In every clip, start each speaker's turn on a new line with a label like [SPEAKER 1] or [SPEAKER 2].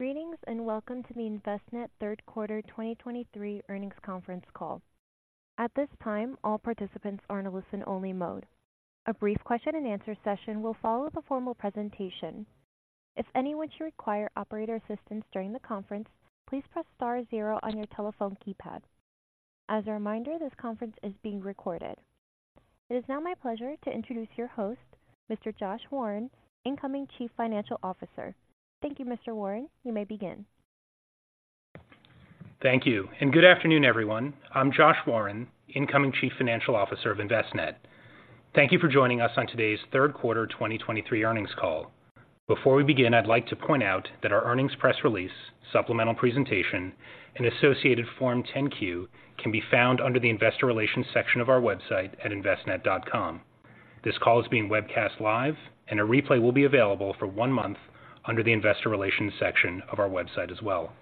[SPEAKER 1] Greetings, and welcome to the Envestnet third quarter 2023 earnings conference call. At this time, all participants are in a listen-only mode. A brief question-and-answer session will follow the formal presentation. If anyone should require operator assistance during the conference, please press star zero on your telephone keypad. As a reminder, this conference is being recorded. It is now my pleasure to introduce your host, Mr. Josh Warren, Incoming Chief Financial Officer. Thank you, Mr. Warren. You may begin.
[SPEAKER 2] Thank you, and good afternoon, everyone. I'm Josh Warren, Incoming Chief Financial Officer of Envestnet. Thank you for joining us on today's third quarter 2023 earnings call. Before we begin, I'd like to point out that our earnings press release, supplemental presentation, and associated Form 10-Q can be found under the Investor Relations section of our website at envestnet.com. This call is being webcast live, and a replay will be available for one month under the Investor Relations section of our website as well.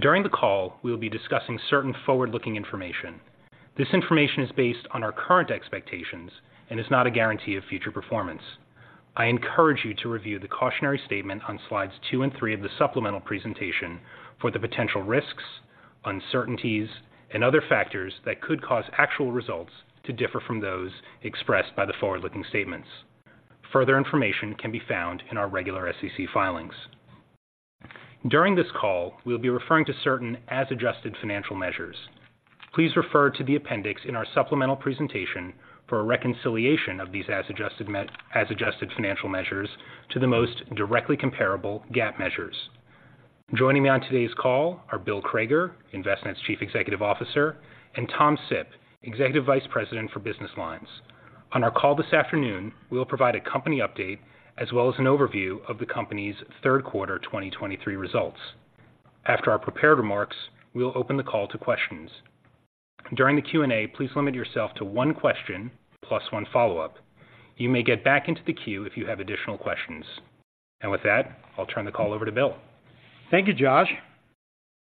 [SPEAKER 2] During the call, we will be discussing certain forward-looking information. This information is based on our current expectations and is not a guarantee of future performance. I encourage you to review the cautionary statement on slides two and three of the supplemental presentation for the potential risks, uncertainties, and other factors that could cause actual results to differ from those expressed by the forward-looking statements. Further information can be found in our regular SEC filings. During this call, we'll be referring to certain as adjusted financial measures. Please refer to the appendix in our supplemental presentation for a reconciliation of these as adjusted financial measures to the most directly comparable GAAP measures. Joining me on today's call are Bill Crager, Envestnet's Chief Executive Officer, and Tom Sipp, Executive Vice President, Business Lines. On our call this afternoon, we'll provide a company update as well as an overview of the company's third quarter 2023 results. After our prepared remarks, we'll open the call to questions. During the Q&A, please limit yourself to one question plus one follow-up. You may get back into the queue if you have additional questions. With that, I'll turn the call over to Bill.
[SPEAKER 3] Thank you, Josh.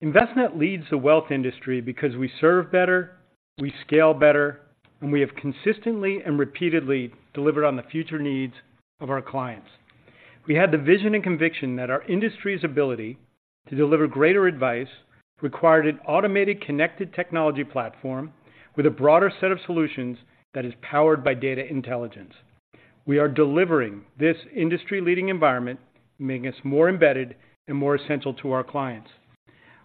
[SPEAKER 3] Envestnet leads the wealth industry because we serve better, we scale better, and we have consistently and repeatedly delivered on the future needs of our clients. We had the vision and conviction that our industry's ability to deliver greater advice required an automated, connected technology platform with a broader set of solutions that is powered by data intelligence. We are delivering this industry-leading environment, making us more embedded and more essential to our clients.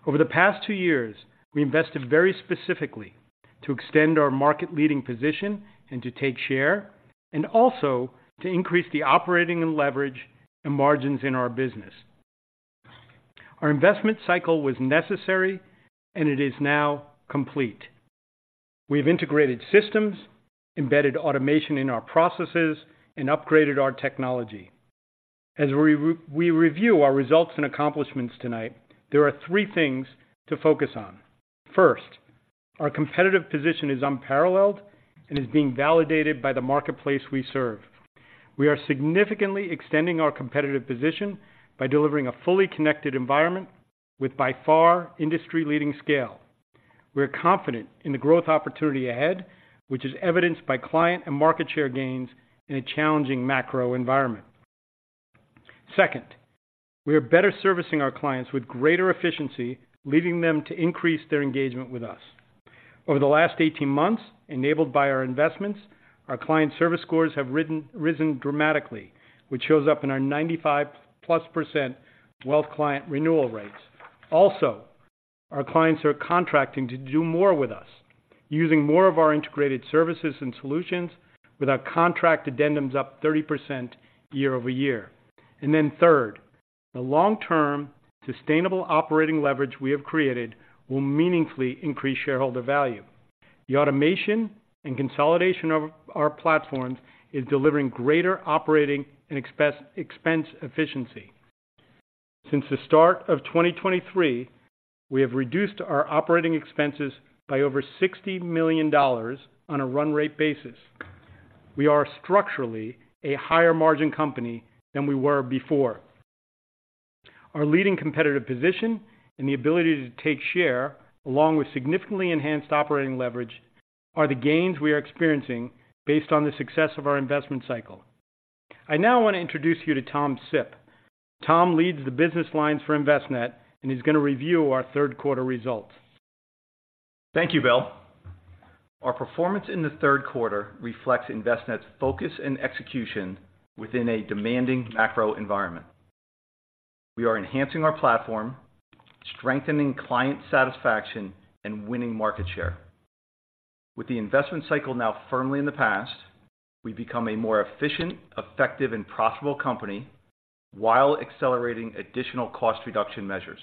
[SPEAKER 3] Over the past two years, we invested very specifically to extend our market-leading position and to take share, and also to increase the operating and leverage, and margins in our business. Our investment cycle was necessary, and it is now complete. We've integrated systems, embedded automation in our processes, and upgraded our technology. As we review our results and accomplishments tonight, there are three things to focus on. First, our competitive position is unparalleled and is being validated by the marketplace we serve. We are significantly extending our competitive position by delivering a fully connected environment with, by far, industry-leading scale. We're confident in the growth opportunity ahead, which is evidenced by client and market share gains in a challenging macro environment. Second, we are better servicing our clients with greater efficiency, leading them to increase their engagement with us. Over the last 18 months, enabled by our investments, our client service scores have risen dramatically, which shows up in our 95%+ wealth client renewal rates. Also, our clients are contracting to do more with us, using more of our integrated services and solutions with our contract addendums up 30% year-over-year. And then third, the long-term sustainable operating leverage we have created will meaningfully increase shareholder value. The automation and consolidation of our platforms is delivering greater operating and expense efficiency. Since the start of 2023, we have reduced our operating expenses by over $60 million on a run rate basis. We are structurally a higher margin company than we were before. Our leading competitive position and the ability to take share, along with significantly enhanced operating leverage, are the gains we are experiencing based on the success of our investment cycle. I now want to introduce you to Tom Sipp. Tom leads the Business Lines for Envestnet, and he's going to review our third quarter results.
[SPEAKER 4] Thank you, Bill. Our performance in the third quarter reflects Envestnet's focus and execution within a demanding macro environment. We are enhancing our platform, strengthening client satisfaction, and winning market share. With the investment cycle now firmly in the past, we've become a more efficient, effective, and profitable company while accelerating additional cost reduction measures.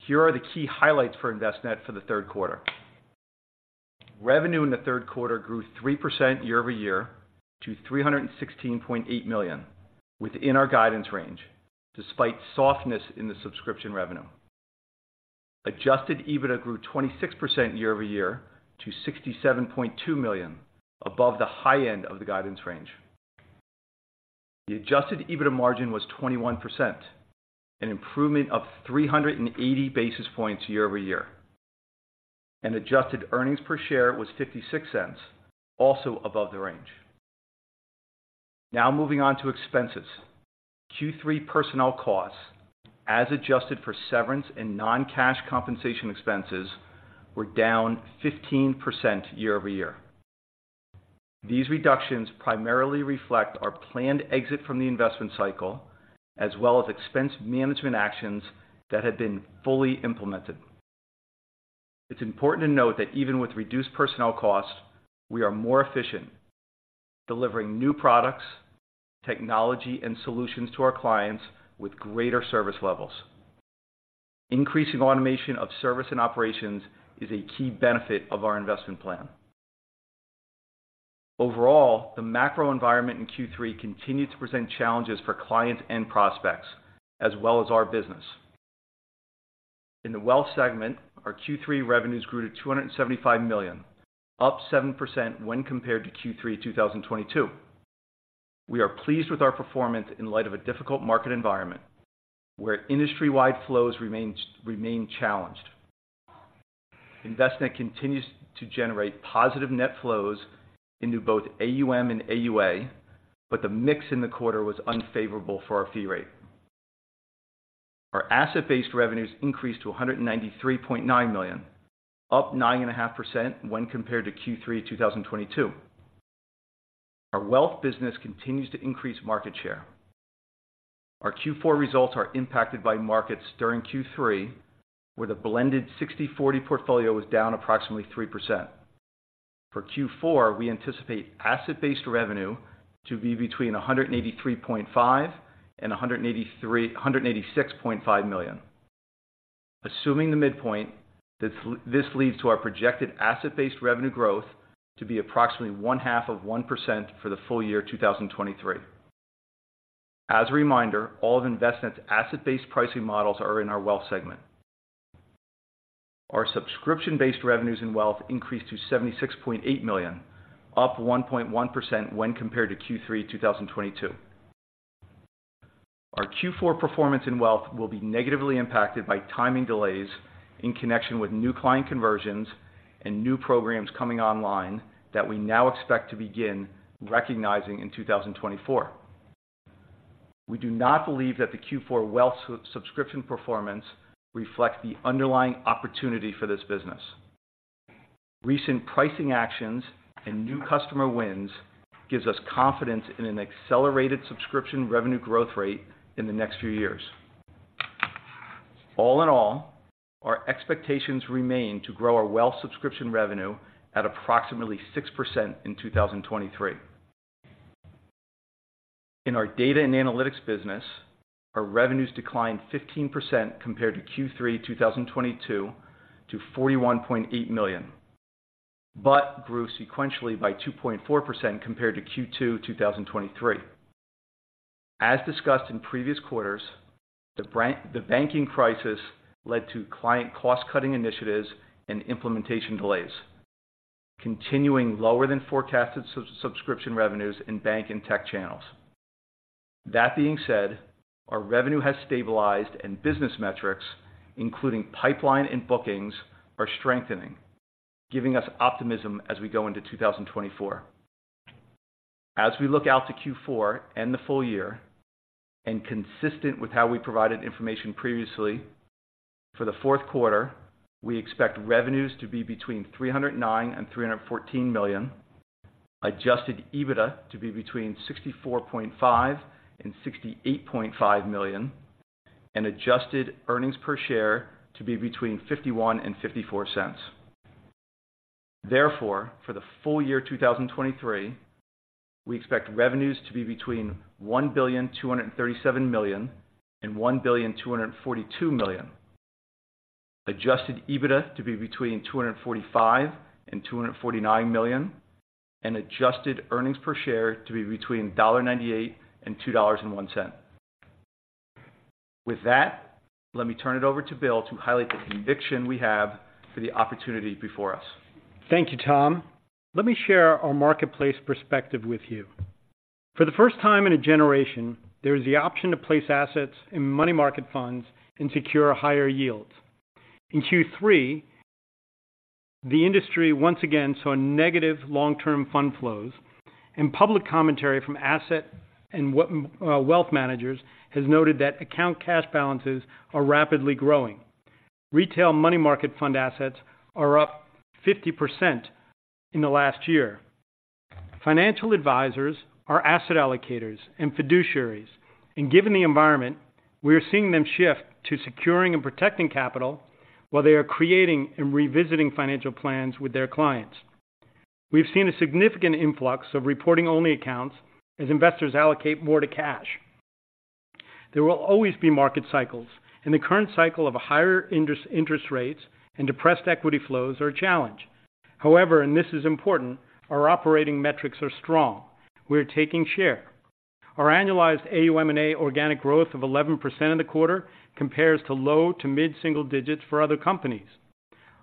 [SPEAKER 4] Here are the key highlights for Envestnet for the third quarter. Revenue in the third quarter grew 3% year-over-year to $316.8 million, within our guidance range, despite softness in the subscription revenue. Adjusted EBITDA grew 26% year-over-year to $67.2 million, above the high end of the guidance range. The adjusted EBITDA margin was 21%, an improvement of 380 basis points year-over-year, and adjusted earnings per share was $0.56, also above the range. Now moving on to expenses. Q3 personnel costs, as adjusted for severance and non-cash compensation expenses, were down 15% year-over-year. These reductions primarily reflect our planned exit from the investment cycle, as well as expense management actions that have been fully implemented. It's important to note that even with reduced personnel costs, we are more efficient, delivering new products, technology, and solutions to our clients with greater service levels. Increasing automation of service and operations is a key benefit of our investment plan. Overall, the macro environment in Q3 continued to present challenges for clients and prospects, as well as our business. In the wealth segment, our Q3 revenues grew to $275 million, up 7% when compared to Q3 2022. We are pleased with our performance in light of a difficult market environment, where industry-wide flows remain challenged. Envestnet continues to generate positive net flows into both AUM and AUA, but the mix in the quarter was unfavorable for our fee rate. Our asset-based revenues increased to $193.9 million, up 9.5% when compared to Q3 2022. Our ealth business continues to increase market share. Our Q4 results are impacted by markets during Q3, where the blended 60/40 portfolio was down approximately 3%. For Q4, we anticipate asset-based revenue to be between $183.5 million and $186.5 million. Assuming the midpoint, this leads to our projected asset-based revenue growth to be approximately 0.5% for the full year 2023. As a reminder, all of Envestnet's asset-based pricing models are in our wealth segment. Our subscription-based revenues in wealth increased to $76.8 million, up 1.1% when compared to Q3 2022. Our Q4 performance in wealth will be negatively impacted by timing delays in connection with new client conversions and new programs coming online that we now expect to begin recognizing in 2024. We do not believe that the Q4 wealth sub-subscription performance reflects the underlying opportunity for this business. Recent pricing actions and new customer wins gives us confidence in an accelerated subscription revenue growth rate in the next few years. All in all, our expectations remain to grow our wealth subscription revenue at approximately 6% in 2023. In our Data and Analytics business, our revenues declined 15% compared to Q3 2022, to $41.8 million, but grew sequentially by 2.4% compared to Q2 2023. As discussed in previous quarters, the banking crisis led to client cost-cutting initiatives and implementation delays, continuing lower than forecasted subscription revenues in bank and tech channels. That being said, our revenue has stabilized and business metrics, including pipeline and bookings, are strengthening, giving us optimism as we go into 2024. As we look out to Q4 and the full year, and consistent with how we provided information previously, for the fourth quarter, we expect revenues to be between $309 million and $314 million, Adjusted EBITDA to be between $64.5 million and $68.5 million, and adjusted earnings per share to be between $0.51 and $0.54. Therefore, for the full year 2023, we expect revenues to be between $1,237 million and $1,242 million, Adjusted EBITDA to be between $245 million and $249 million, and adjusted earnings per share to be between $0.98 and $2.01. With that, let me turn it over to Bill to highlight the conviction we have for the opportunity before us.
[SPEAKER 3] Thank you, Tom. Let me share our marketplace perspective with you. For the first time in a generation, there is the option to place assets in money market funds and secure higher yields. In Q3, the industry once again saw negative long-term fund flows, and public commentary from asset and wealth managers has noted that account cash balances are rapidly growing. Retail money market fund assets are up 50% in the last year. Financial advisors are asset allocators and fiduciaries, and given the environment, we are seeing them shift to securing and protecting capital while they are creating and revisiting financial plans with their clients. We've seen a significant influx of reporting-only accounts as investors allocate more to cash. There will always be market cycles, and the current cycle of higher interest rates and depressed equity flows are a challenge. However, and this is important, our operating metrics are strong. We are taking share. Our annualized AUM&A organic growth of 11% in the quarter compares to low to mid-single digits for other companies.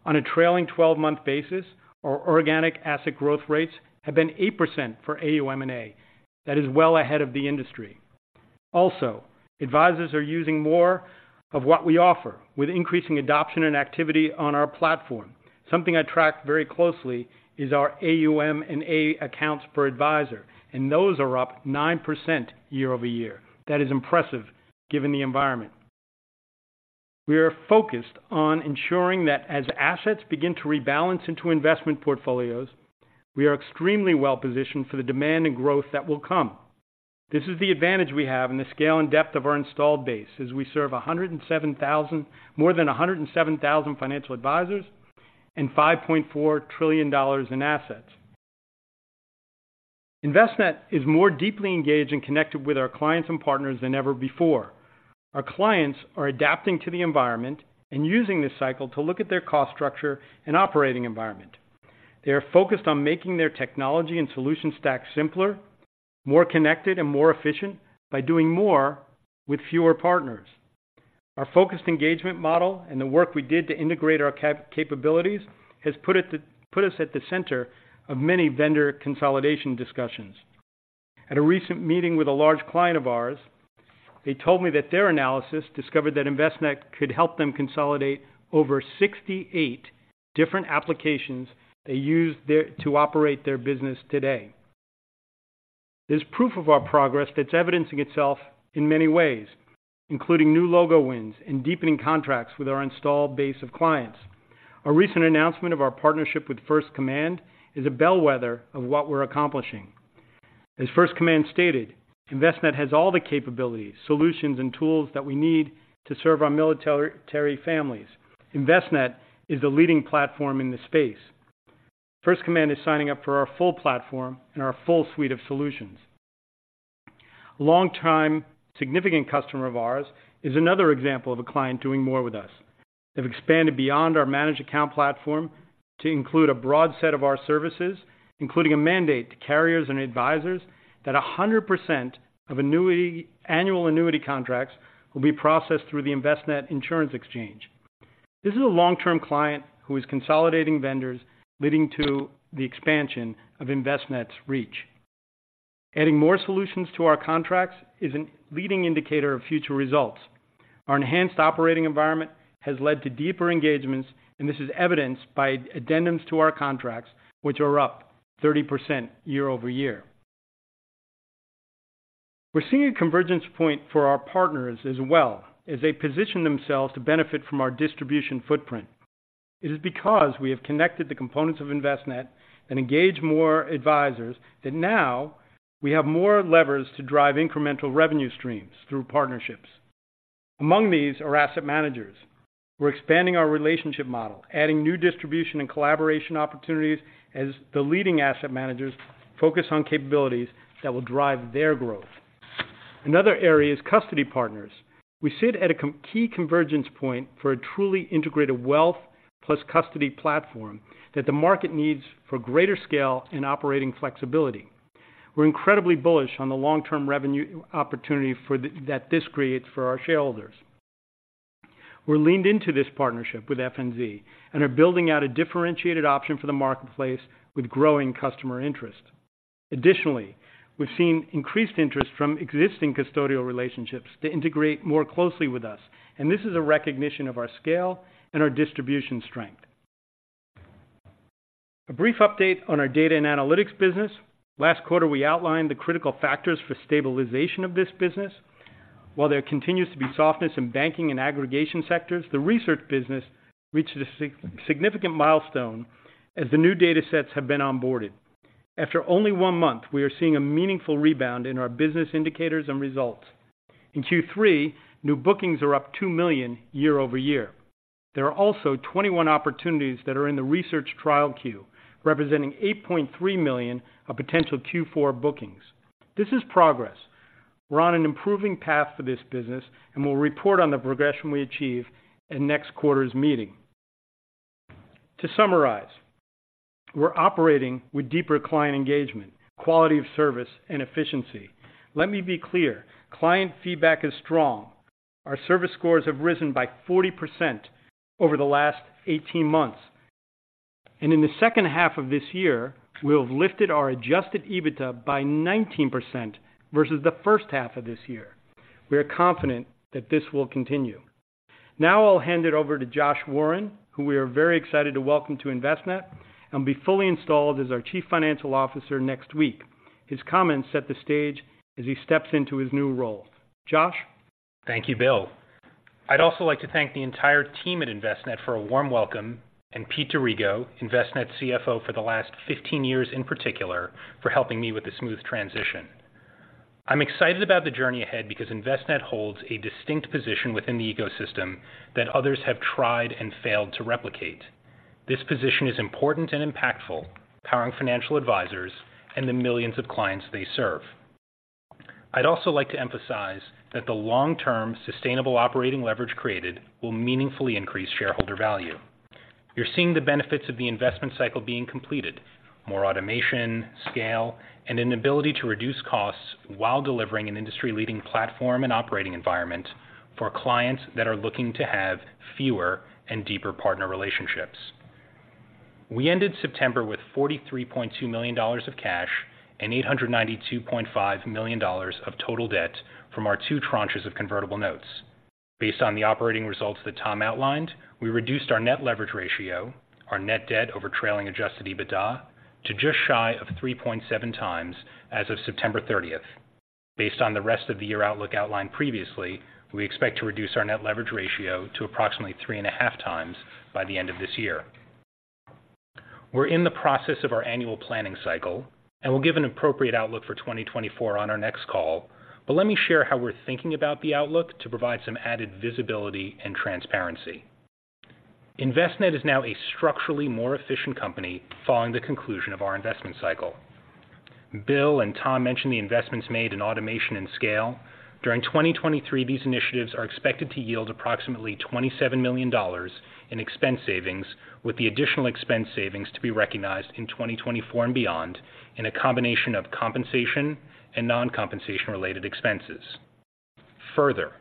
[SPEAKER 3] On a trailing twelve-month basis, our organic asset growth rates have been 8% for AUM&A. That is well ahead of the industry. Also, advisors are using more of what we offer, with increasing adoption and activity on our platform. Something I track very closely is our AUM&A accounts per advisor, and those are up 9% year-over-year. That is impressive, given the environment. We are focused on ensuring that as assets begin to rebalance into investment portfolios, we are extremely well-positioned for the demand and growth that will come. This is the advantage we have in the scale and depth of our installed base, as we serve more than 107,000 financial advisors and $5.4 trillion in assets. Envestnet is more deeply engaged and connected with our clients and partners than ever before. Our clients are adapting to the environment and using this cycle to look at their cost structure and operating environment. They are focused on making their technology and solution stack simpler, more connected, and more efficient by doing more with fewer partners. Our focused engagement model and the work we did to integrate our capabilities has put us at the center of many vendor consolidation discussions. At a recent meeting with a large client of ours, they told me that their analysis discovered that Envestnet could help them consolidate over 68 different applications they use there to operate their business today. There's proof of our progress that's evidencing itself in many ways, including new logo wins and deepening contracts with our installed base of clients. Our recent announcement of our partnership with First Command is a bellwether of what we're accomplishing. As First Command stated, Envestnet has all the capabilities, solutions, and tools that we need to serve our military families. Envestnet is the leading platform in this space. First Command is signing up for our full platform and our full suite of solutions. A long-time, significant customer of ours is another example of a client doing more with us. They've expanded beyond our managed account platform to include a broad set of our services, including a mandate to carriers and advisors that 100% of annual annuity contracts will be processed through the Envestnet Insurance Exchange. This is a long-term client who is consolidating vendors, leading to the expansion of Envestnet's reach. Adding more solutions to our contracts is a leading indicator of future results. Our enhanced operating environment has led to deeper engagements, and this is evidenced by addendums to our contracts, which are up 30% year-over-year. We're seeing a convergence point for our partners as well, as they position themselves to benefit from our distribution footprint. It is because we have connected the components of Envestnet and engaged more advisors, that now we have more levers to drive incremental revenue streams through partnerships. Among these are asset managers. We're expanding our relationship model, adding new distribution and collaboration opportunities as the leading asset managers focus on capabilities that will drive their growth. Another area is custody partners. We sit at a key convergence point for a truly integrated wealth plus custody platform that the market needs for greater scale and operating flexibility. We're incredibly bullish on the long-term revenue opportunity for the... that this creates for our shareholders. We're leaning into this partnership with FNZ and are building out a differentiated option for the marketplace with growing customer interest. Additionally, we've seen increased interest from existing custodial relationships to integrate more closely with us, and this is a recognition of our scale and our distribution strength. A brief update on our Data and Analytics business. Last quarter, we outlined the critical factors for stabilization of this business. While there continues to be softness in banking and aggregation sectors, the research business reached a significant milestone as the new data sets have been onboarded. After only one month, we are seeing a meaningful rebound in our business indicators and results. In Q3, new bookings are up $2 million year-over-year. There are also 21 opportunities that are in the research trial queue, representing $8.3 million of potential Q4 bookings. This is progress. We're on an improving path for this business, and we'll report on the progression we achieve in next quarter's meeting. To summarize, we're operating with deeper client engagement, quality of service, and efficiency. Let me be clear, client feedback is strong. Our service scores have risen by 40% over the last 18 months, and in the second half of this year, we'll have lifted our Adjusted EBITDA by 19% versus the first half of this year. We are confident that this will continue. Now I'll hand it over to Josh Warren, who we are very excited to welcome to Envestnet, and be fully installed as our Chief Financial Officer next week. His comments set the stage as he steps into his new role. Josh?
[SPEAKER 2] Thank you, Bill. I'd also like to thank the entire team at Envestnet for a warm welcome, and Pete D’Arrigo, Envestnet CFO for the last 15 years, in particular, for helping me with the smooth transition. I'm excited about the journey ahead because Envestnet holds a distinct position within the ecosystem that others have tried and failed to replicate. This position is important and impactful, powering financial advisors and the millions of clients they serve. I'd also like to emphasize that the long-term sustainable operating leverage created will meaningfully increase shareholder value. You're seeing the benefits of the investment cycle being completed, more automation, scale, and an ability to reduce costs while delivering an industry-leading platform and operating environment for clients that are looking to have fewer and deeper partner relationships.... We ended September with $43.2 million of cash and $892.5 million of total debt from our two tranches of convertible notes. Based on the operating results that Tom outlined, we reduced our net leverage ratio, our net debt over trailing adjusted EBITDA, to just shy of 3.7x as of September 30th. Based on the rest of the year outlook outlined previously, we expect to reduce our net leverage ratio to approximately 3.5x by the end of this year. We're in the process of our annual planning cycle, and we'll give an appropriate outlook for 2024 on our next call. But let me share how we're thinking about the outlook to provide some added visibility and transparency. Envestnet is now a structurally more efficient company following the conclusion of our investment cycle. Bill and Tom mentioned the investments made in automation and scale. During 2023, these initiatives are expected to yield approximately $27 million in expense savings, with the additional expense savings to be recognized in 2024 and beyond, in a combination of compensation and non-compensation related expenses. Further,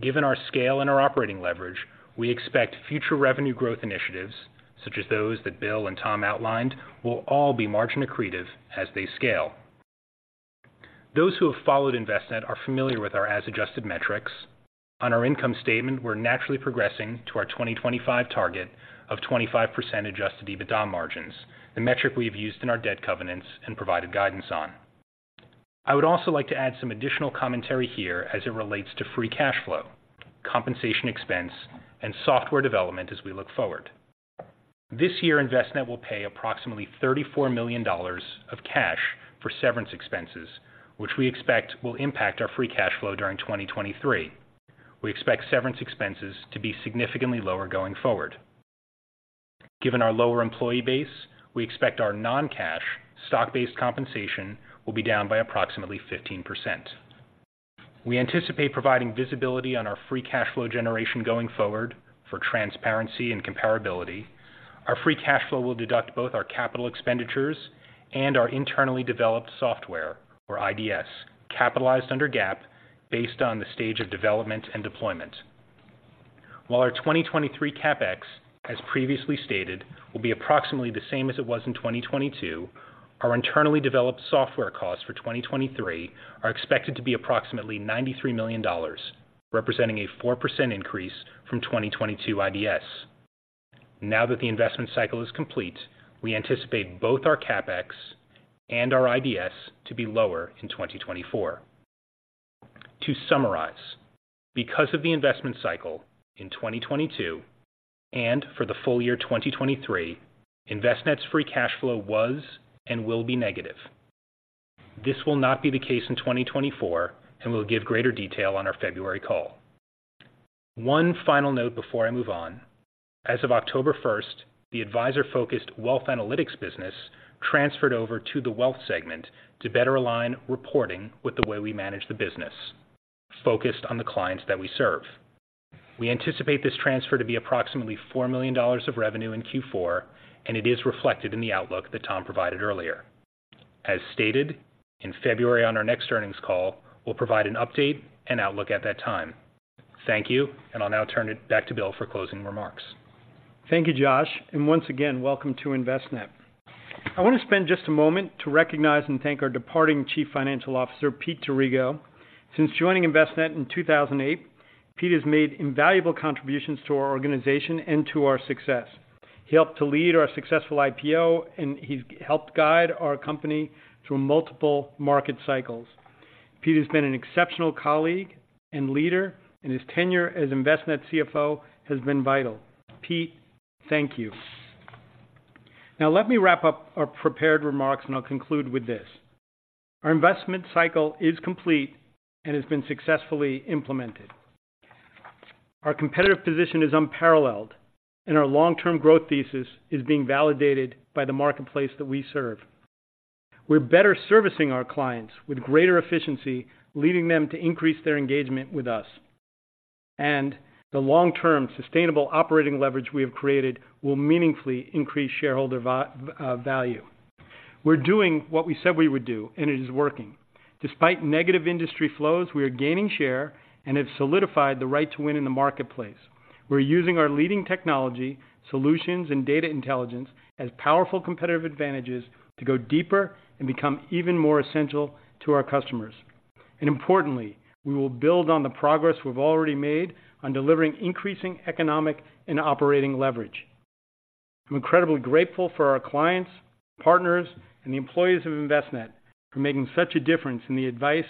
[SPEAKER 2] given our scale and our operating leverage, we expect future revenue growth initiatives, such as those that Bill and Tom outlined, will all be margin accretive as they scale. Those who have followed Envestnet are familiar with our as-adjusted metrics. On our income statement, we're naturally progressing to our 2025 target of 25% Adjusted EBITDA margins, the metric we've used in our debt covenants and provided guidance on. I would also like to add some additional commentary here as it relates to free cash flow, compensation expense, and software development as we look forward. This year, Envestnet will pay approximately $34 million of cash for severance expenses, which we expect will impact our free cash flow during 2023. We expect severance expenses to be significantly lower going forward. Given our lower employee base, we expect our non-cash stock-based compensation will be down by approximately 15%. We anticipate providing visibility on our free cash flow generation going forward for transparency and comparability. Our free cash flow will deduct both our capital expenditures and our internally developed software, or IDS, capitalized under GAAP based on the stage of development and deployment. While our 2023 CapEx, as previously stated, will be approximately the same as it was in 2022, our internally developed software costs for 2023 are expected to be approximately $93 million, representing a 4% increase from 2022 IDS. Now that the investment cycle is complete, we anticipate both our CapEx and our IDS to be lower in 2024. To summarize, because of the investment cycle in 2022 and for the full year 2023, Envestnet's free cash flow was and will be negative. This will not be the case in 2024, and we'll give greater detail on our February call. One final note before I move on. As of October 1, the advisor-focused wealth analytics business transferred over to the wealth segment to better align reporting with the way we manage the business, focused on the clients that we serve. We anticipate this transfer to be approximately $4 million of revenue in Q4, and it is reflected in the outlook that Tom provided earlier. As stated, in February on our next earnings call, we'll provide an update and outlook at that time. Thank you, and I'll now turn it back to Bill for closing remarks.
[SPEAKER 3] Thank you, Josh, and once again, welcome to Envestnet. I want to spend just a moment to recognize and thank our departing Chief Financial Officer, Pete D’Arrigo. Since joining Envestnet in 2008, Pete has made invaluable contributions to our organization and to our success. He helped to lead our successful IPO, and he's helped guide our company through multiple market cycles. Pete has been an exceptional colleague and leader, and his tenure as Envestnet CFO has been vital. Pete, thank you. Now, let me wrap up our prepared remarks, and I'll conclude with this: Our investment cycle is complete and has been successfully implemented. Our competitive position is unparalleled, and our long-term growth thesis is being validated by the marketplace that we serve. We're better servicing our clients with greater efficiency, leading them to increase their engagement with us. The long-term sustainable operating leverage we have created will meaningfully increase shareholder value. We're doing what we said we would do, and it is working. Despite negative industry flows, we are gaining share and have solidified the right to win in the marketplace. We're using our leading technology, solutions, and data intelligence as powerful competitive advantages to go deeper and become even more essential to our customers. And importantly, we will build on the progress we've already made on delivering increasing economic and operating leverage. I'm incredibly grateful for our clients, partners, and the employees of Envestnet for making such a difference in the advice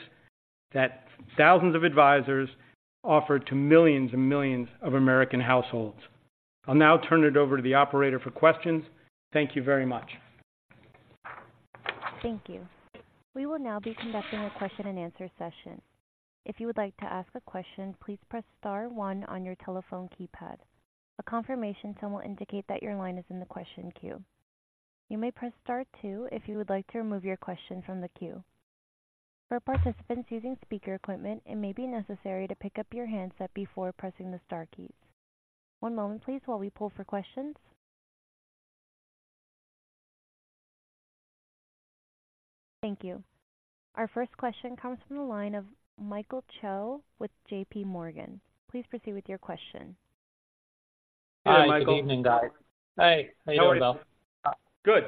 [SPEAKER 3] that thousands of advisors offer to millions and millions of American households. I'll now turn it over to the operator for questions. Thank you very much.
[SPEAKER 1] Thank you. We will now be conducting a question-and-answer session. If you would like to ask a question, please press star one on your telephone keypad. A confirmation tone will indicate that your line is in the question queue. You may press star two if you would like to remove your question from the queue. For participants using speaker equipment, it may be necessary to pick up your handset before pressing the star keys. One moment, please, while we pull for questions.... Thank you. Our first question comes from the line of Michael Cho with JPMorgan. Please proceed with your question.
[SPEAKER 5] Hi, good evening, guys.
[SPEAKER 3] Hi, Michael.
[SPEAKER 5] How are you, Bill?
[SPEAKER 3] Good.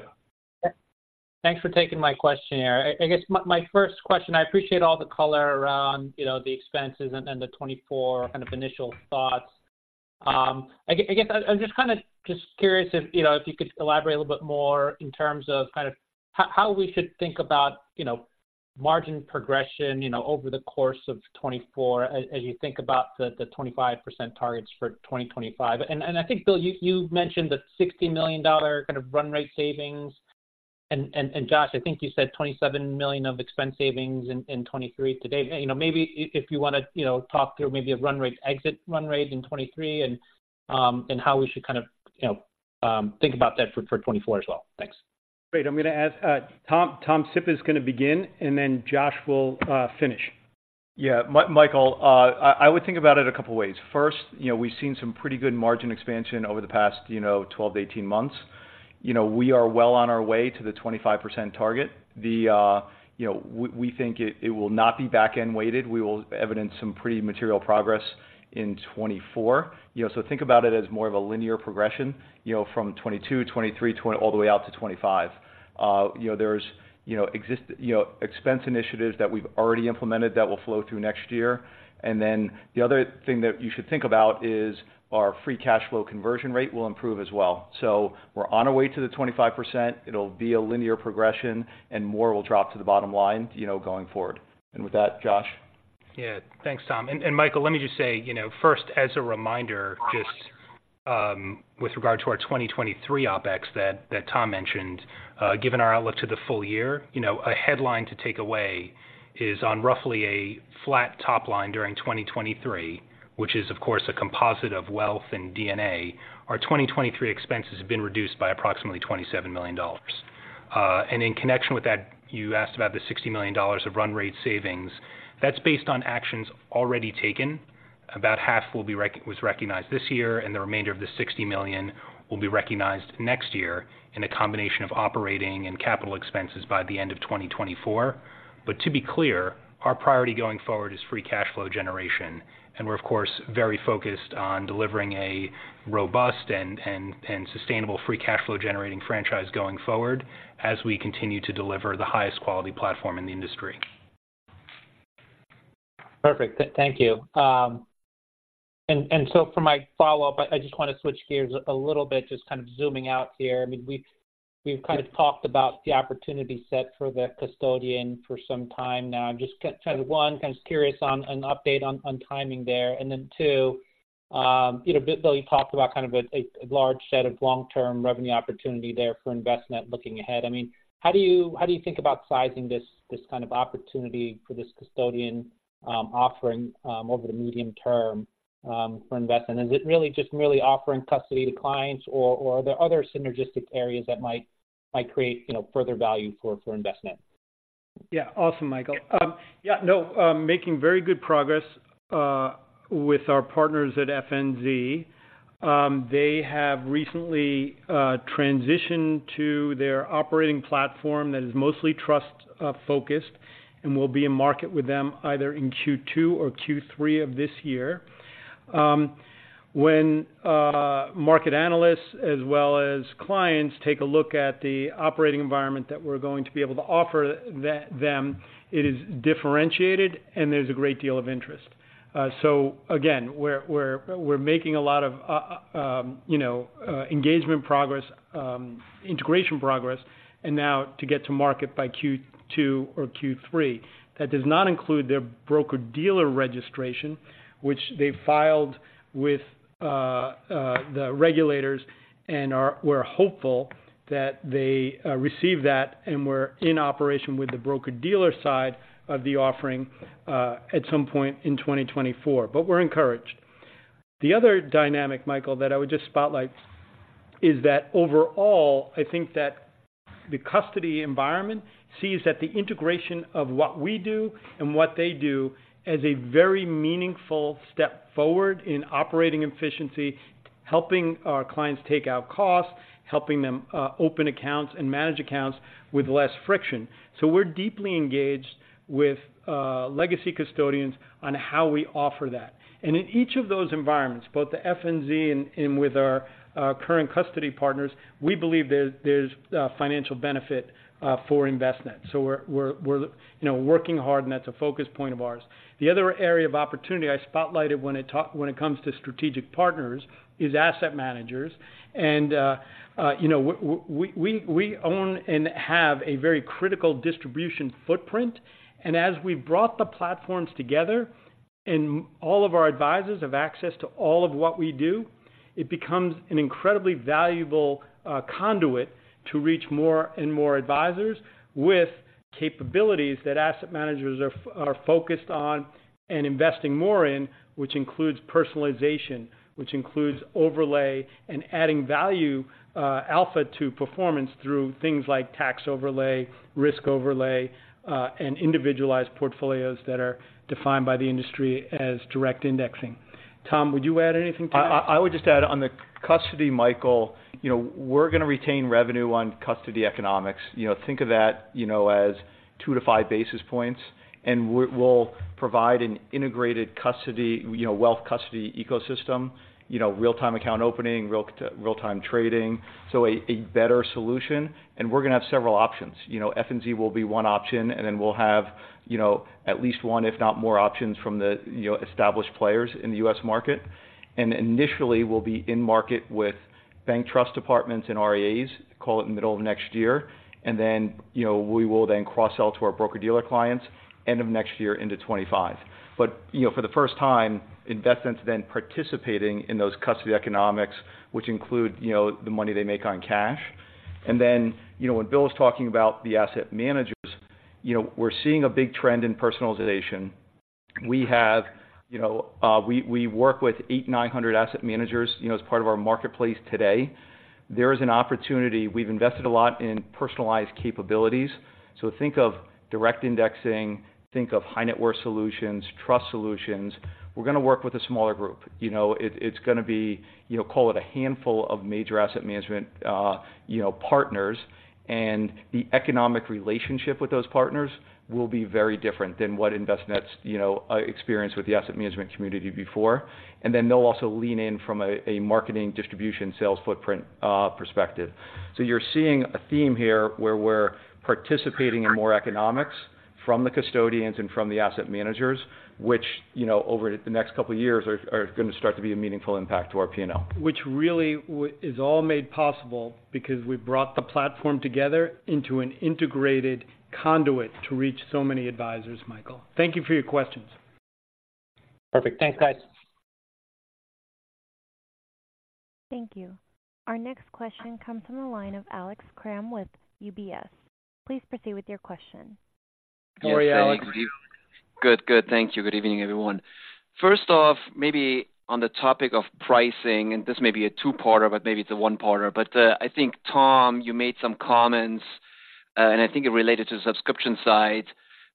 [SPEAKER 5] Thanks for taking my question here. I guess my first question, I appreciate all the color around, you know, the expenses and the 2024 kind of initial thoughts. I guess I'm just kinda curious if, you know, if you could elaborate a little bit more in terms of kind of how we should think about, you know, margin progression, you know, over the course of 2024, as you think about the 25% targets for 2025. And I think, Bill, you mentioned the $60 million kind of run rate savings. And Josh, I think you said $27 million of expense savings in 2023 to date. You know, maybe if you wanna, you know, talk through maybe a run rate, exit run rate in 2023 and, and how we should kind of, you know, think about that for, for 2024 as well. Thanks.
[SPEAKER 3] Great. I'm going to ask Tom. Tom Sipp is going to begin, and then Josh will finish.
[SPEAKER 4] Yeah. Michael, I would think about it a couple of ways. First, you know, we've seen some pretty good margin expansion over the past, you know, 12-18 months. You know, we are well on our way to the 25% target. You know, we think it will not be back-end weighted. We will evidence some pretty material progress in 2024. You know, so think about it as more of a linear progression, you know, from 2022, 2023, all the way out to 25%. You know, there's expense initiatives that we've already implemented that will flow through next year. And then the other thing that you should think about is our free cash flow conversion rate will improve as well. So we're on our way to the 25%. It'll be a linear progression, and more will drop to the bottom line, you know, going forward. And with that, Josh?
[SPEAKER 2] Yeah. Thanks, Tom. And Michael, let me just say, you know, first, as a reminder, just, with regard to our 2023 OpEx that Tom mentioned, given our outlook to the full year, you know, a headline to take away is on roughly a flat top line during 2023, which is, of course, a composite of wealth and DNA. Our 2023 expenses have been reduced by approximately $27 million. And in connection with that, you asked about the $60 million of run rate savings. That's based on actions already taken. About half was recognized this year, and the remainder of the $60 million will be recognized next year in a combination of operating and capital expenses by the end of 2024. But to be clear, our priority going forward is free cash flow generation, and we're, of course, very focused on delivering a robust and sustainable free cash flow-generating franchise going forward as we continue to deliver the highest quality platform in the industry.
[SPEAKER 5] Perfect. Thank you. And so for my follow-up, I just want to switch gears a little bit, just kind of zooming out here. I mean, we've kind of talked about the opportunity set for the custodian for some time now. Just kind of, one, kind of curious on an update on timing there. And then, two, you know, Bill, you talked about kind of a large set of long-term revenue opportunity there for Envestnet looking ahead. I mean, how do you think about sizing this kind of opportunity for this custodian offering over the medium term for Envestnet? Is it really just merely offering custody to clients, or are there other synergistic areas that might create, you know, further value for Envestnet?
[SPEAKER 3] Yeah. Awesome, Michael. Yeah, no, making very good progress with our partners at FNZ. They have recently transitioned to their operating platform that is mostly trust focused and will be in market with them either in Q2 or Q3 of this year. When market analysts as well as clients take a look at the operating environment that we're going to be able to offer them, it is differentiated, and there's a great deal of interest. So again, we're making a lot of, you know, engagement progress, integration progress, and now to get to market by Q2 or Q3. That does not include their broker-dealer registration, which they filed with the regulators and we're hopeful that they receive that and we're in operation with the broker-dealer side of the offering at some point in 2024. But we're encouraged. The other dynamic, Michael, that I would just spotlight is that overall, I think that the custody environment sees that the integration of what we do and what they do as a very meaningful step forward in operating efficiency, helping our clients take out costs, helping them open accounts and manage accounts with less friction. So we're deeply engaged with legacy custodians on how we offer that. And in each of those environments, both the FNZ and with our current custody partners, we believe there's financial benefit for Envestnet. So we're, you know, working hard, and that's a focus point of ours. The other area of opportunity I spotlighted when it comes to strategic partners is asset managers. And, you know, we own and have a very critical distribution footprint, and as we've brought the platforms together and all of our advisors have access to all of what we do, it becomes an incredibly valuable conduit to reach more and more advisors with capabilities that asset managers are focused on and investing more in, which includes personalization, which includes overlay and adding value, alpha to performance through things like tax overlay, risk overlay, and individualized portfolios that are defined by the industry as direct indexing. Tom, would you add anything to that?
[SPEAKER 4] I would just add on the custody, Michael. You know, we're going to retain revenue on custody economics. You know, think of that, you know, as 2-5 basis points, and we'll provide an integrated custody, you know, wealth custody ecosystem, you know, real-time account opening, real-time trading, so a better solution, and we're going to have several options. You know, FNZ will be one option, and then we'll have, you know, at least one, if not more, options from the, you know, established players in the U.S. market. And initially, we'll be in market with bank trust departments and RIAs, call it the middle of next year. And then, you know, we will then cross-sell to our broker-dealer clients end of next year into 2025. But, you know, for the first time, Envestnet's then participating in those custody economics, which include, you know, the money they make on cash. And then, you know, when Bill is talking about the asset managers, you know, we're seeing a big trend in personalization. We have, you know, we work with 800-900 asset managers, you know, as part of our marketplace today. There is an opportunity. We've invested a lot in personalized capabilities. So think of direct indexing, think of high net worth solutions, trust solutions. We're going to work with a smaller group. You know, it's going to be, you know, call it a handful of major asset management, you know, partners, and the economic relationship with those partners will be very different than what Envestnet's, you know, experienced with the asset management community before. Then they'll also lean in from a marketing distribution sales footprint perspective. So you're seeing a theme here where we're participating in more economics from the custodians and from the asset managers, which, you know, over the next couple of years are going to start to be a meaningful impact to our P&L.
[SPEAKER 3] Which really is all made possible because we brought the platform together into an integrated conduit to reach so many advisors, Michael. Thank you for your questions.
[SPEAKER 5] Perfect. Thanks, guys.
[SPEAKER 1] Thank you. Our next question comes from the line of Alex Kramm with UBS. Please proceed with your question.
[SPEAKER 3] How are you, Alex?
[SPEAKER 6] Good, good. Thank you. Good evening, everyone. First off, maybe on the topic of pricing, and this may be a two-parter, but maybe it's a one-partner, but, I think, Tom, you made some comments, and I think it related to the subscription side,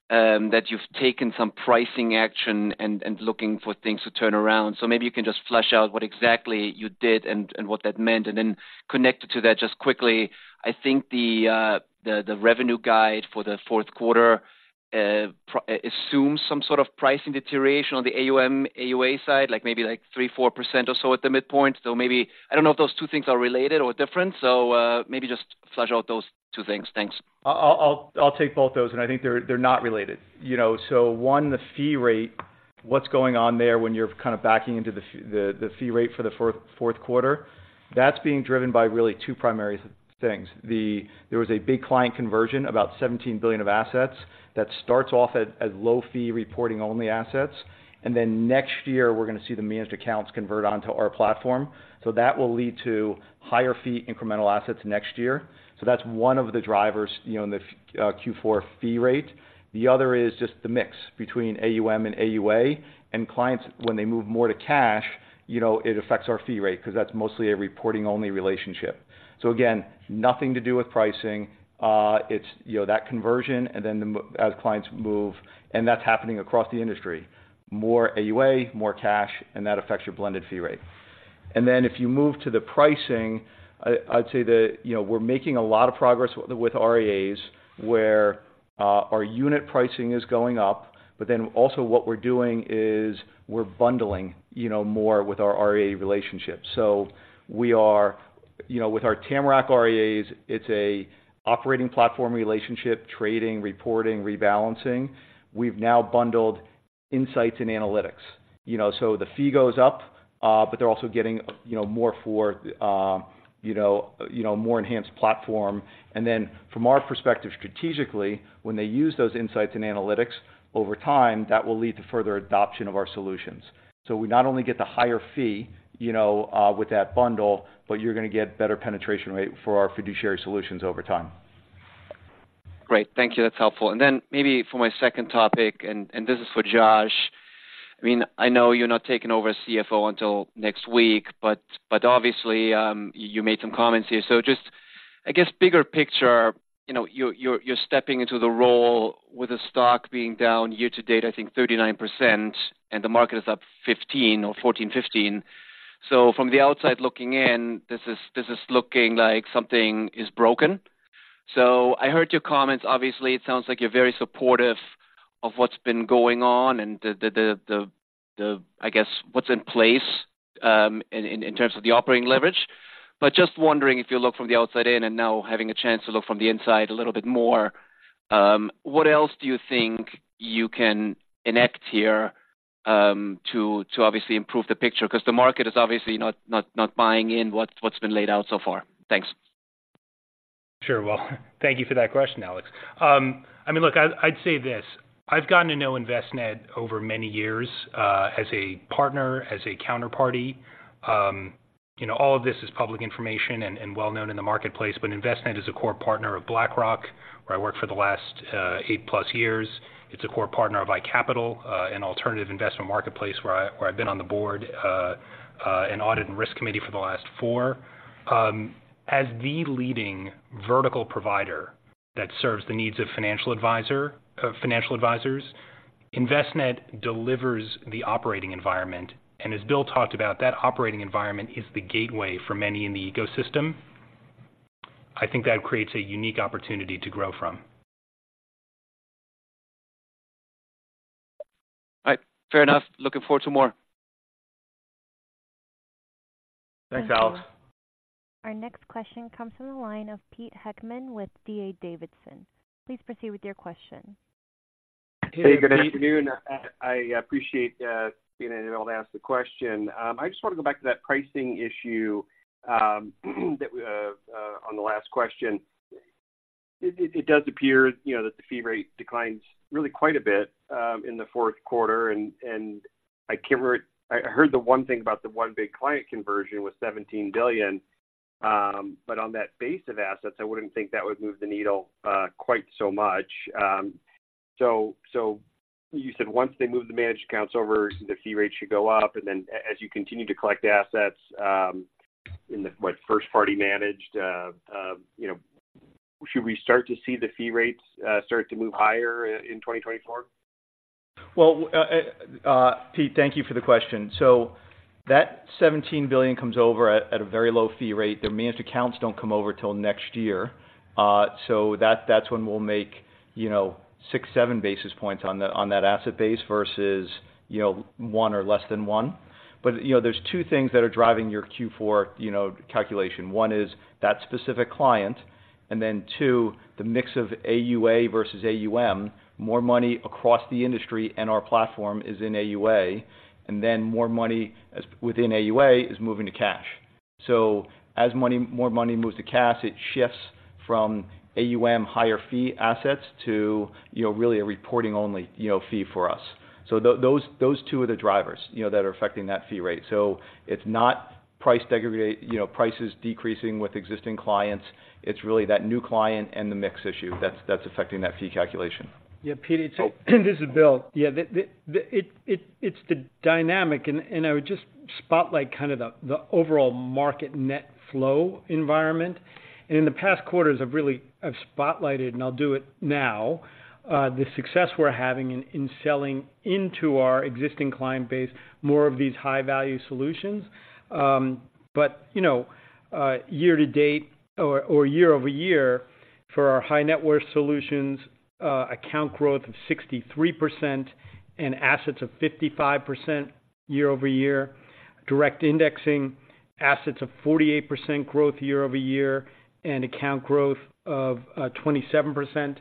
[SPEAKER 6] that you've taken some pricing action and, and looking for things to turn around. So maybe you can just flesh out what exactly you did and, and what that meant. And then connected to that, just quickly, I think the, the, the revenue guide for the fourth quarter, assumes some sort of pricing deterioration on the AUM and AUA side, like maybe like 3%-4% or so at the midpoint. So maybe... I don't know if those two things are related or different, so, maybe just flesh out those two things. Thanks.
[SPEAKER 4] I'll take both those, and I think they're not related. You know, so one, the fee rate, what's going on there when you're kind of backing into the fee rate for the fourth quarter, that's being driven by really two primary things. There was a big client conversion, about $17 billion of assets, that starts off as low-fee reporting only assets. And then next year, we're going to see the managed accounts convert onto our platform. So that will lead to higher fee incremental assets next year. So that's one of the drivers, you know, in the Q4 fee rate. The other is just the mix between AUM and AUA and clients, when they move more to cash, you know, it affects our fee rate because that's mostly a reporting-only relationship. So again, nothing to do with pricing. It's, you know, that conversion, and then as clients move, and that's happening across the industry. More AUA, more cash, and that affects your blended fee rate. And then if you move to the pricing, I'd say that, you know, we're making a lot of progress with RIAs, where our unit pricing is going up, but then also what we're doing is we're bundling, you know, more with our RIA relationships. So we are. You know, with our Tamarac RIAs, it's a operating platform relationship, trading, reporting, rebalancing. We've now bundled insights and analytics. You know, so the fee goes up, but they're also getting, you know, more for, you know, more enhanced platform. And then from our perspective, strategically, when they use those insights and analytics over time, that will lead to further adoption of our solutions. So we not only get the higher fee, you know, with that bundle, but you're going to get better penetration rate for our fiduciary solutions over time.
[SPEAKER 6] Great. Thank you. That's helpful. And then maybe for my second topic, and this is for Josh. I mean, I know you're not taking over as CFO until next week, but obviously, you made some comments here. So just, I guess, bigger picture, you know, you're stepping into the role with the stock being down year-to-date, I think 39%, and the market is up 15 or 14, 15. So from the outside looking in, this is looking like something is broken. So I heard your comments. Obviously, it sounds like you're very supportive of what's been going on and the, I guess, what's in place, in terms of the operating leverage. But just wondering if you look from the outside in and now having a chance to look from the inside a little bit more, what else do you think you can enact here, to obviously improve the picture? Because the market is obviously not buying in what's been laid out so far. Thanks.
[SPEAKER 2] Sure. Well, thank you for that question, Alex. I mean, look, I'd, I'd say this: I've gotten to know Envestnet over many years, as a partner, as a counterparty. You know, all of this is public information and, and well known in the marketplace, but Envestnet is a core partner of BlackRock, where I worked for the last, eight-plus years. It's a core partner of iCapital, an alternative investment marketplace where I, where I've been on the board, and audit and risk committee for the last four. As the leading vertical provider that serves the needs of financial advisors, Envestnet delivers the operating environment, and as Bill talked about, that operating environment is the gateway for many in the ecosystem. I think that creates a unique opportunity to grow from.
[SPEAKER 6] All right. Fair enough. Looking forward to more.
[SPEAKER 3] Thanks, Alex.
[SPEAKER 1] Our next question comes from the line of Pete Heckman with D.A. Davidson. Please proceed with your question.
[SPEAKER 7] Hey, good afternoon. I appreciate being able to ask the question. I just want to go back to that pricing issue that we on the last question. It does appear, you know, that the fee rate declines really quite a bit in the fourth quarter, and I can't remember. I heard the one thing about the one big client conversion was $17 billion. But on that base of assets, I wouldn't think that would move the needle quite so much. So you said once they move the managed accounts over, the fee rate should go up, and then as you continue to collect assets in the what, first party managed, you know, should we start to see the fee rates start to move higher in 2024?
[SPEAKER 4] Well, Pete, thank you for the question. So that $17 billion comes over at a very low fee rate. The managed accounts don't come over till next year. So that, that's when we'll make, you know, 6-7 basis points on the, on that asset base versus, you know, 1 or less than 1. But, you know, there's two things that are driving your Q4, you know, calculation. One is that specific client, and then two, the mix of AUA versus AUM, more money across the industry, and our platform is in AUA, and then more money as within AUA is moving to cash. So as money... more money moves to cash, it shifts from AUM higher fee assets to, you know, really a reporting only, you know, fee for us. So those two are the drivers, you know, that are affecting that fee rate. So it's not price degradation, you know, prices decreasing with existing clients. It's really that new client and the mix issue that's affecting that fee calculation. Yeah, Pete, this is Bill. Yeah, it's the dynamic, and I would just spotlight the overall market net flow environment. And in the past quarters, I've spotlighted, and I'll do it now, the success we're having in selling into our existing client base, more of these high-value solutions. But, you know, year-to-date or year-over-year, for our high net worth solutions, account growth of 63% and assets of 55% year-over-year.
[SPEAKER 3] Direct indexing, assets of 48% growth year-over-year, and account growth of 27%.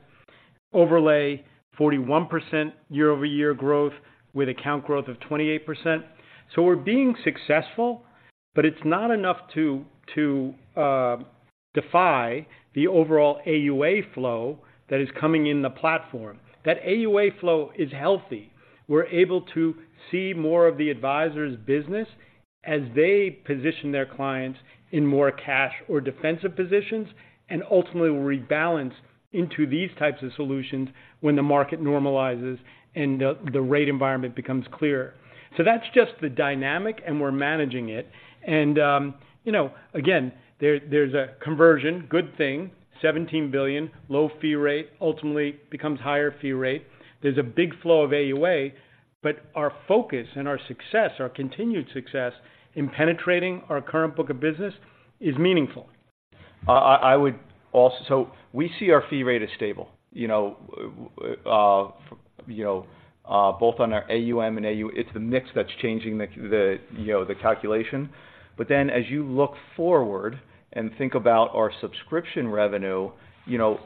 [SPEAKER 3] Overlay, 41% year-over-year growth with account growth of 28%. So we're being successful, but it's not enough to defy the overall AUA flow that is coming in the platform. That AUA flow is healthy. We're able to see more of the advisor's business as they position their clients in more cash or defensive positions, and ultimately will rebalance into these types of solutions when the market normalizes and the rate environment becomes clearer. So that's just the dynamic, and we're managing it. And, you know, again, there, there's a conversion, good thing, $17 billion, low fee rate ultimately becomes higher fee rate. There's a big flow of AUA, but our focus and our success, our continued success in penetrating our current book of business is meaningful.
[SPEAKER 4] I would also... So we see our fee rate as stable, you know, you know, you know, both on our AUM and AUA. It's the mix that's changing the, the, you know, the calculation. But then, as you look forward and think about our subscription revenue, you know,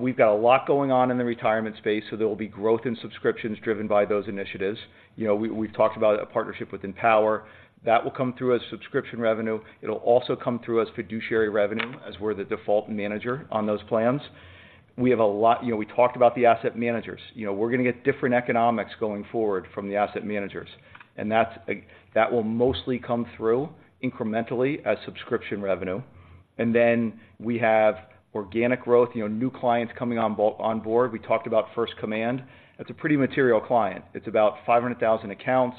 [SPEAKER 4] we've got a lot going on in the retirement space, so there will be growth in subscriptions driven by those initiatives. You know, we, we've talked about a partnership with Empower. That will come through as subscription revenue. It'll also come through as fiduciary revenue, as we're the default manager on those plans. We have a lot... You know, we talked about the asset managers. You know, we're going to get different economics going forward from the asset managers, and that's that will mostly come through incrementally as subscription revenue. And then we have organic growth, you know, new clients coming on board. We talked about First Command. That's a pretty material client. It's about 500,000 accounts,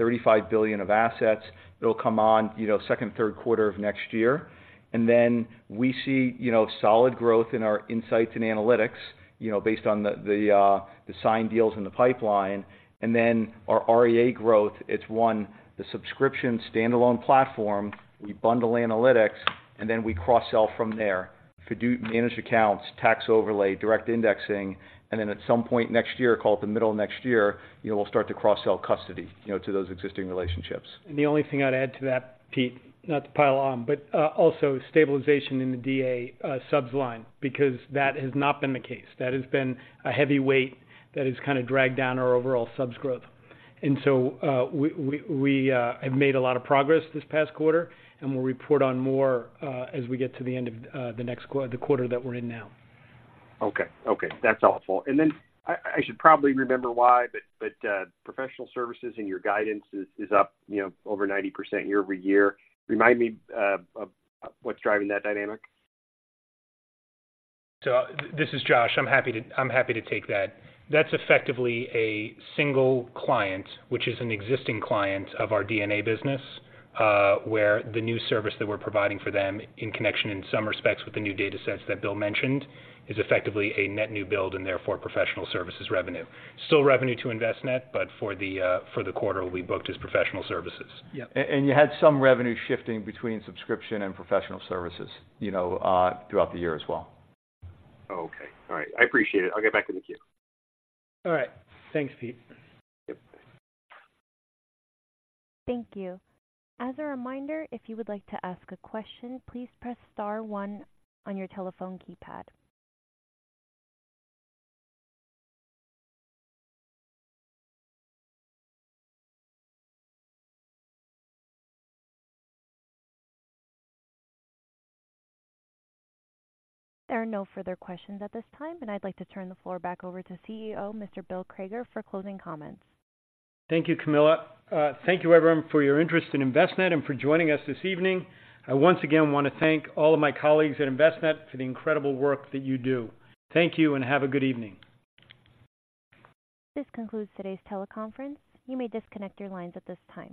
[SPEAKER 4] $35 billion of assets. It'll come on, you know, second, third quarter of next year. And then we see, you know, solid growth in our insights and analytics, you know, based on the signed deals in the pipeline. And then our RIA growth, it's one, the subscription standalone platform. We bundle analytics, and then we cross-sell from there, fiduciary-managed accounts, tax overlay direct indexing, and then at some point next year, call it the middle of next year, you know, we'll start to cross-sell custody, you know, to those existing relationships.
[SPEAKER 3] And the only thing I'd add to that, Pete, not to pile on, but, also stabilization in the DA subs line, because that has not been the case. That has been a heavy weight that has kind of dragged down our overall subs growth. And so, we have made a lot of progress this past quarter, and we'll report on more, as we get to the end of the next quarter that we're in now.
[SPEAKER 7] Okay. Okay, that's helpful. And then I should probably remember why, but professional services and your guidance is up, you know, over 90% year-over-year. Remind me, what's driving that dynamic?
[SPEAKER 2] So this is Josh. I'm happy to, I'm happy to take that. That's effectively a single client, which is an existing client of our D&A business, where the new service that we're providing for them in connection, in some respects, with the new data sets that Bill mentioned, is effectively a net new build and therefore, professional services revenue. Still revenue to Envestnet, but for the quarter, will be booked as professional services.
[SPEAKER 4] Yeah, and you had some revenue shifting between subscription and professional services, you know, throughout the year as well.
[SPEAKER 7] Oh, okay. All right. I appreciate it. I'll get back to the queue.
[SPEAKER 3] All right. Thanks, Pete.
[SPEAKER 7] Yep.
[SPEAKER 1] Thank you. As a reminder, if you would like to ask a question, please press star one on your telephone keypad. There are no further questions at this time, and I'd like to turn the floor back over to CEO, Mr. Bill Crager, for closing comments.
[SPEAKER 3] Thank you, Camilla. Thank you, everyone, for your interest in Envestnet and for joining us this evening. I once again want to thank all of my colleagues at Envestnet for the incredible work that you do. Thank you and have a good evening.
[SPEAKER 1] This concludes today's teleconference. You may disconnect your lines at this time.